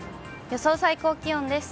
予想最高気温です。